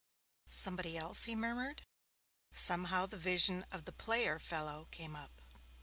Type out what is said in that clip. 'Somebody else?' he murmured. Somehow the vision of the player fellow came up.